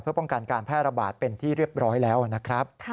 เพื่อป้องกันการแพร่ระบาดเป็นที่เรียบร้อยแล้วนะครับ